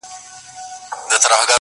• په خپل خیال کي ورڅرګند زرغون جهان سو -